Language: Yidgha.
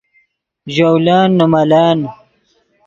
ژولن نے ملن